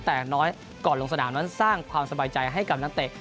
แต่น้อยก่อนลงสนามนั้นสร้างความสบายใจให้กับนักเตะ